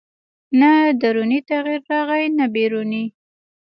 نه دروني تغییر راغی نه بیروني